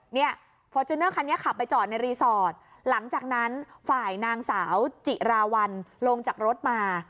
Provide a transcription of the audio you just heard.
ฟอร์จูเนอร์คันนี้ขับไปจอดในรีสอร์ทหลังจากนั้นฝ่ายนางสาวจิราวัลลงจากรถมา